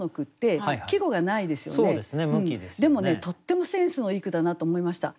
でもねとってもセンスのいい句だなと思いました。